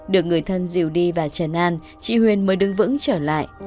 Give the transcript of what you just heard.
được người thân diều đi và trần an chị huyền mới đứng vững trở lại